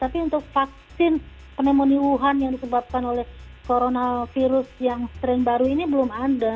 tapi untuk vaksin pneumonia wuhan yang disebabkan oleh coronavirus yang strain baru ini belum ada